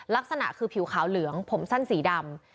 ลักษณะคือผิวขาวเหลืองผมสั้นสีดำ